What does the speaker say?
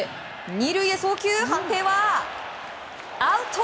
２塁へ送球、判定はアウト！